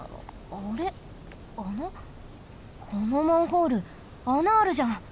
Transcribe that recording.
このマンホール穴あるじゃん。